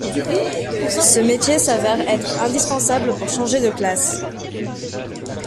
Se métier s'avère être indispensable pour changer de classe.